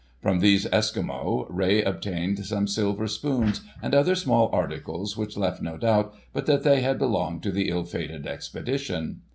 From these Eskimo, Rae obtained some silver spoons and other small articles which left no doubt but that they had belonged to the ill fated expedition.